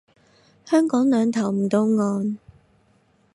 香港兩頭唔到岸